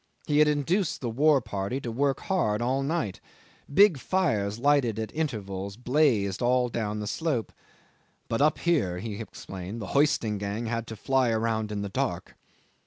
He had induced the war party to work hard all night. Big fires lighted at intervals blazed all down the slope, "but up here," he explained, "the hoisting gang had to fly around in the dark."